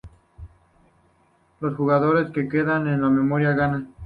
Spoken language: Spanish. Los jugadores que quedan en minoría ganan.